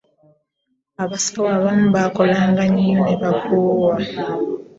abasawo abamu baakolanga nnyo ne bakoowa.